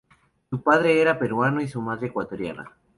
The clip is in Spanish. Su padre era peruano y su madre ecuatoriana.